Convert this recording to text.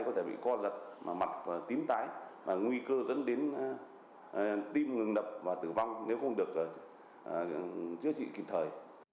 có thể bị co giật mặt tím tái mà nguy cơ dẫn đến tim ngừng đập và tử vong nếu không được chữa trị kịp thời